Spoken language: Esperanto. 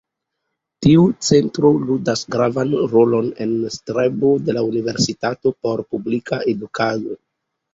Tiu centro ludas gravan rolon en strebo de la Universitato por publika edukado.